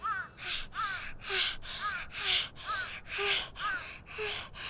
はあはあはあはあ。